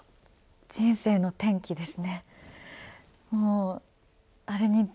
人生の転機です。